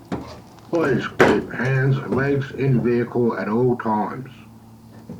Please keep hands and legs in the vehicle at all times.